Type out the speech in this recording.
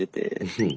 うん。